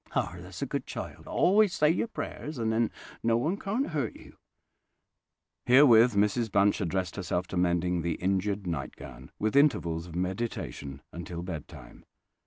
"Ah, that's a good child: always say your prayers, and then no one can't hurt you." Herewith Mrs Bunch addressed herself to mending the injured nightgown, with intervals of meditation, until bed time.